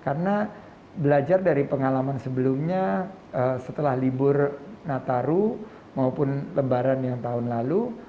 karena belajar dari pengalaman sebelumnya setelah libur nataru maupun lembaran yang tahun lalu